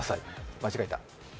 間違えた。